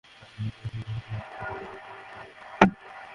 আমি আপনাদের কথা দিচ্ছি, মাদকের ব্যাপারে পুলিশ কোন ছাড় দেবে না।